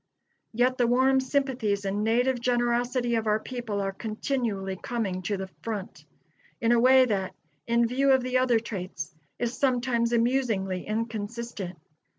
Yet, the warm sympathies and native generosity of our people are continually coming to the front, in a way that, in view of the other traits, is sometimes amusingly inconsistent.